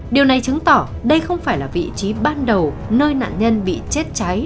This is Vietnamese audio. điều này chứng tỏ đây không phải là vị trí ban đầu nơi nạn nhân bị chết cháy